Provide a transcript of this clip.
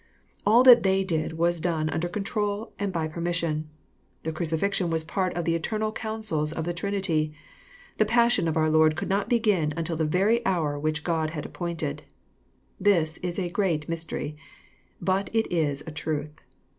All that they did was done under control, and by permission. The crucifixion was part of the eternal counsels of the Trinity. The passion of oar Lord could not begin until the very hour which God had appointed. This is a great ifij^stery. But it Is a truth.